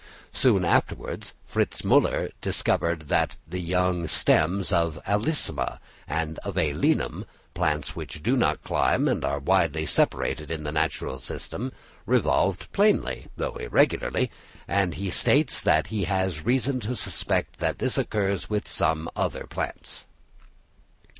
Soon afterwards Fritz Müller discovered that the young stems of an Alisma and of a Linum—plants which do not climb and are widely separated in the natural system—revolved plainly, though irregularly, and he states that he has reason to suspect that this occurs with some other plants.